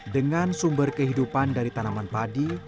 dengan sumber kehidupan dari tanaman padi